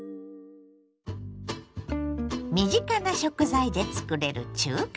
身近な食材でつくれる中華丼。